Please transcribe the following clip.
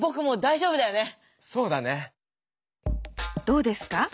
どうですか？